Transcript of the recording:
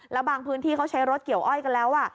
แล้วบางพื้นที่เขาใช้รถเกี่ยวอ้อยกันแล้ว